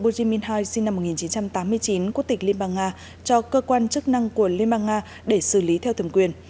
burj minhaj sinh năm một nghìn chín trăm tám mươi chín của tịch liên bang nga cho cơ quan chức năng của liên bang nga để xử lý theo thường quyền